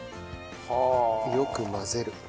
よく混ぜる。